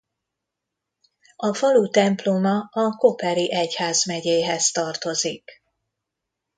A falu temploma a Koperi egyházmegyéhez tartozik.